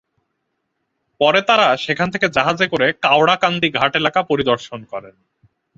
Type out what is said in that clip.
পরে তাঁরা সেখান থেকে জাহাজে করে কাওড়াকান্দি ঘাট এলাকা পরিদর্শন করেন।